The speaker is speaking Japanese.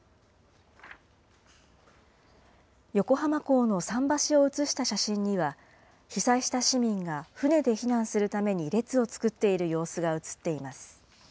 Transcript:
横浜港の桟橋を写した写真には、被災した市民が船で避難するために列を作っている様子が写っています。